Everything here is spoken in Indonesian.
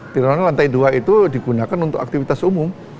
tirtaunadi lantai dua itu digunakan untuk aktivitas umum